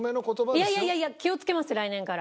いやいやいやいや気をつけます来年から。